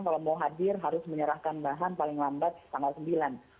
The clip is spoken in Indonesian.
kalau mau hadir harus menyerahkan bahan paling lambat tanggal sembilan